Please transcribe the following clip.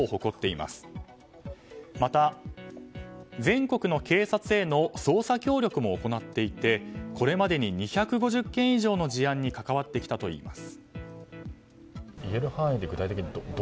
また、全国の警察への捜査協力も行っていてこれまでに２５０件以上の事案に関わってきたといいます。